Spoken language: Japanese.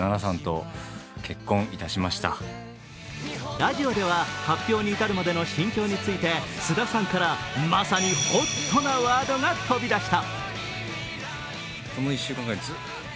ラジオでは発表に至るまでの心境について菅田さんからまさにＨＯＴなワードが飛び出した。